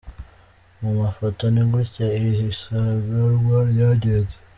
Mu mafoto, ni gutya iri siganwa ryagenze.